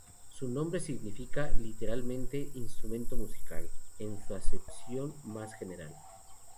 Su nombre significa literalmente "instrumento musical" en su acepción más general.